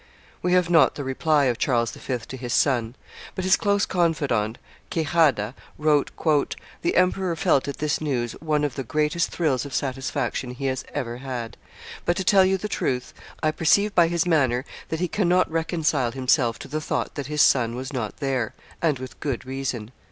We have not the reply of Charles V. to his son; but his close confidant, Quejada, wrote, "The emperor felt at this news one of the greatest thrills of satisfaction he has ever had; but, to tell you the truth, I perceive by his manner that he cannot reconcile himself to the thought that his son was not there; and with good reason."